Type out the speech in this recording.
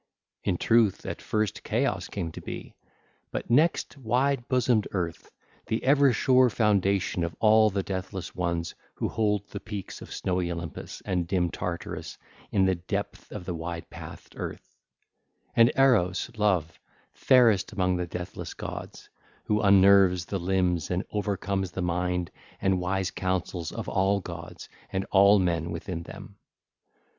(ll. 116 138) Verily at the first Chaos came to be, but next wide bosomed Earth, the ever sure foundations of all 1604 the deathless ones who hold the peaks of snowy Olympus, and dim Tartarus in the depth of the wide pathed Earth, and Eros (Love), fairest among the deathless gods, who unnerves the limbs and overcomes the mind and wise counsels of all gods and all men within them.